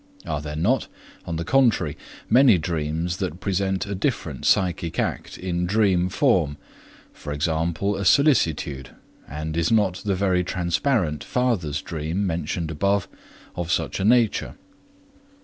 Are there not, on the contrary, many dreams that present a different psychic act in dream form, e.g., a solicitude, and is not the very transparent father's dream mentioned above of just such a nature?